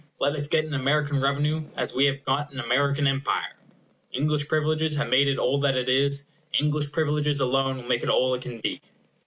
Let us get an American revenue as we have got an American empire. English privileges have made it all that it is; English privileges alone will make it all it can be.